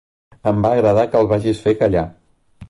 Em va agradar que el vagis fer callar.